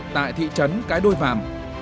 tại thị trấn cái đôi vàng